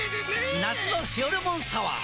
夏の「塩レモンサワー」！